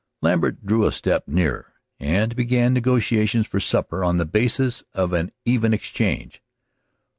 Lambert drew a step nearer, and began negotiations for supper on the basis of an even exchange.